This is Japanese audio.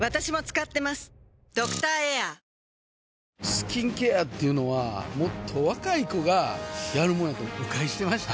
スキンケアっていうのはもっと若い子がやるもんやと誤解してました